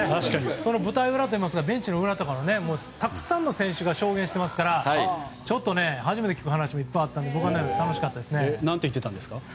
その舞台裏といいますかベンチの裏とかもたくさんの選手が証言してますからちょっと初めて聞く話もいっぱいあったので何て言ってたんですか。